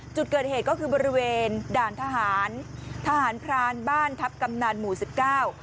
จุดเกิดเหตุก็คือบริเวณด่านทหารทหารพรานบ้านทัพกำนันหมู่สิบเก้า